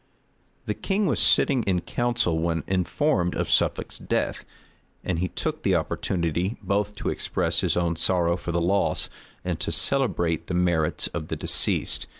The king was sitting in council when informed of Suffolk's death; and he took the opportunity both to express his own sorrow for the loss, and to celebrate the merits of the deceased.